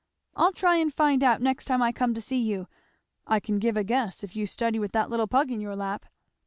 I'll try and find out, next time I come to see you. I can give a guess, if you study with that little pug in your lap."